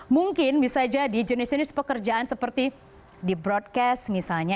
mungkin bisa jadi jenis jenis pekerjaan seperti di broadcast misalnya